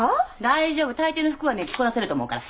大抵の服はね着こなせると思うから。